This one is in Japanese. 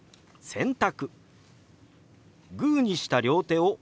「洗濯」。